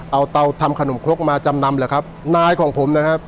เอาเตาทำขนมครกมาจำนำแหละครับนายของผมนะครับ